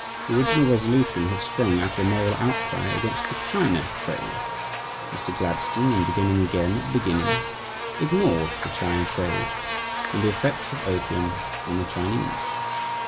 The original resolution had sprung out of a moral outcry against the China trade. Mr. Gladstone, in beginning again at the beginning, ignored the China trade and the effects of opium on the Chinese.